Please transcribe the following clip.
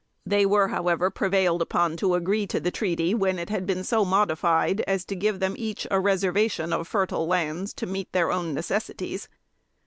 They were, however, prevailed upon to agree to the treaty, when it had been so modified as to give them each a reservation of fertile lands, to meet their own necessities.